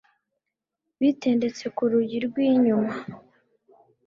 bitendetse ku rugi rw inyuma